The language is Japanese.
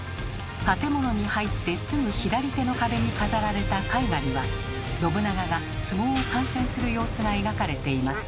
建物に入ってすぐ左手の壁に飾られた絵画には信長が相撲を観戦する様子が描かれています。